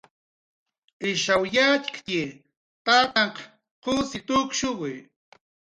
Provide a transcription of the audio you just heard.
Ishaw yatxktxi, Tantanhr qusill tukki